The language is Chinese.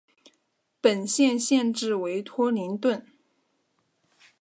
本县县治为托灵顿。